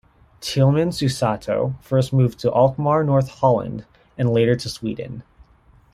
Tielman Susato first moved to Alkmaar, North Holland, and later to Sweden.